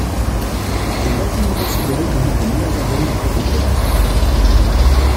Il est largement considéré comme l'un des meilleurs albums de protopunk.